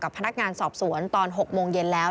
พนักงานสอบสวนตอน๖โมงเย็นแล้ว